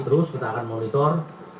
terus kita akan monitor